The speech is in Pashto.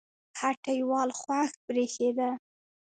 هټۍوال خوښ برېښېده